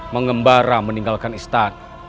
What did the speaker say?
mengembara meninggalkan istana